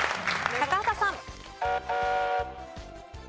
高畑さん。